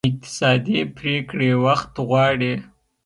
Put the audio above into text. اقتصادي پرېکړې وخت غواړي.